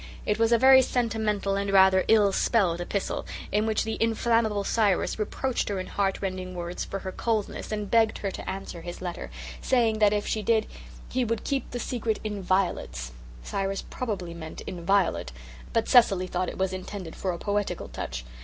It was a very sentimental and rather ill spelled epistle in which the inflammable Cyrus reproached her in heart rending words for her coldness, and begged her to answer his letter, saying that if she did he would keep the secret "in violets." Cyrus probably meant "inviolate" but Cecily thought it was intended for a poetical touch.